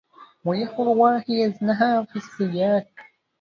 ويح روحي أظنها في السياق